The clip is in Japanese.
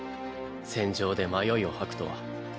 戦場で迷いを吐くとは。